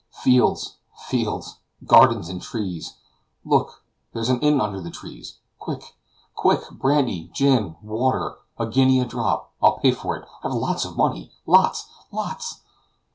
"Fields, fields, gardens and trees! Look, there's an inn under the trees! Quick, quick! brandy, gin, water! a guinea a drop! I'll pay for it! I've lots of money! lots! lots!"